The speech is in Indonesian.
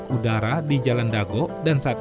kalau kita bisa membuat mudahan forget